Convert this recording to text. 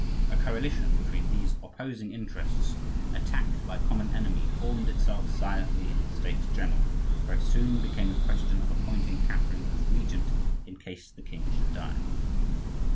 A coalition between these opposing interests, attacked by a common enemy, formed itself silently in the States general, where it soon became a question of appointing Catherine as regent in case the king should die.